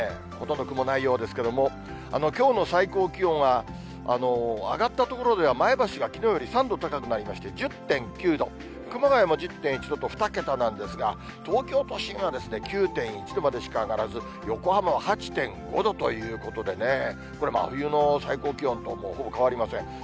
ほとんど雲ないようですけれども、きょうの最高気温は、上がった所では前橋がきのうより３度高くなりまして、１０．９度、熊谷も１０．１度と２桁なんですが、東京都心は９．１度までしか上がらず、横浜は８．５度ということで、これ、真冬の最高気温とほぼ変わりません。